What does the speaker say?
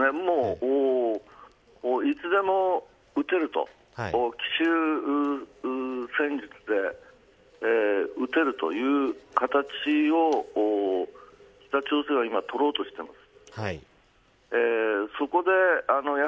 いつでも撃てると奇襲戦術で撃てるという形を北朝鮮は今取ろうとしています。